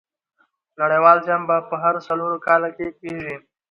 نړۍوال جام په هرو څلور کاله کښي کیږي.